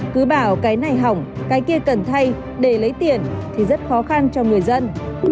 cứ bảo cái này hỏng cái kia cần thay để lấy tiền thì rất khó khăn cho người dân